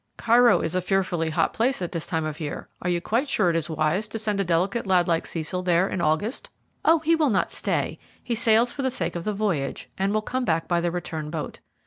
"Cairo is a fearfully hot place at this time of year. Are you quite sure that it is wise to send a delicate lad like Cecil there in August?" "Oh, he will not stay. He sails for the sake of the voyage, and will come back by the return boat.